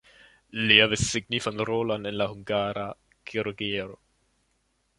Li havis signifan rolon en la hungara kirurgio.